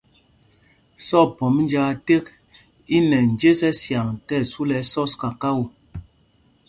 Sɔkphɔmb njāā ték i nɛ njes ɛsyaŋ tí ɛsu lɛ ɛsɔs kakao.